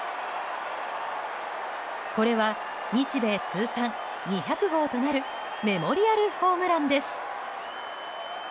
これは、日米通算２００号となるメモリアルホームランです。